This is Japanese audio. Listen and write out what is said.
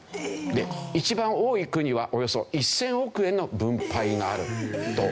で一番多い区にはおよそ１０００億円の分配があるというわけですね。